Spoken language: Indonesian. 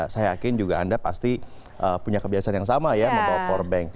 saya yakin anda juga pasti punya kebiasaan yang sama ya